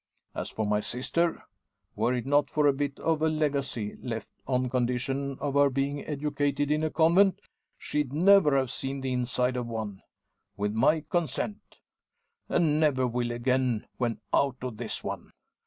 As for my sister, were it not for a bit of a legacy left on condition of her being educated in a convent, she'd never have seen the inside of one, with my consent; and never will again when out of this one.